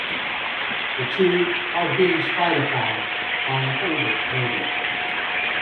The two are being spied upon by an older lady.